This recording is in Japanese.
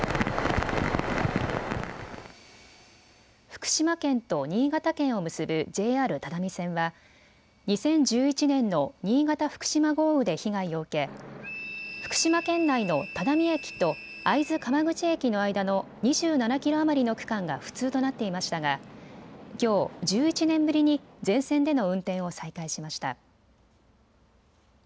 福島県と新潟県を結ぶＪＲ只見線は２０１１年の新潟・福島豪雨で被害を受け、福島県内の只見駅と会津川口駅の間の２７キロ余りの区間が不通となっていましたがきょう、１１年ぶりに全線での運転を再開しました。